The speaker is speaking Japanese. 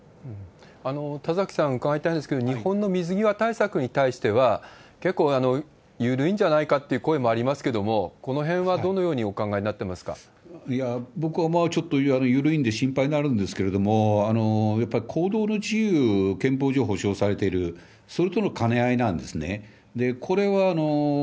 田崎さん、伺いたいんですけれども、日本の水際対策に対しては、結構緩いんじゃないかって声もありますけれども、このへんはどのいや、僕はちょっと緩いんで心配になるんですけれども、やっぱり行動の自由、憲法上保証されている、それとの兼ね合いなんですね。